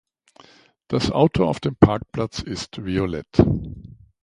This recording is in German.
Das Auto auf dem Parkplatz ist violett.